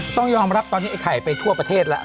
ต้องยอมรับตอนนี้ไอ้ไข่ไปทั่วประเทศแล้ว